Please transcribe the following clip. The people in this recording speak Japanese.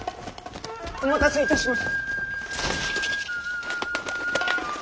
お待たせいたしまし！